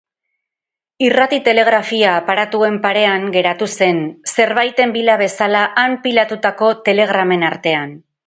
Irrati-telegrafia aparatuen parean geratu zen, zerbaiten bila bezala han pilatutako telegramen artean.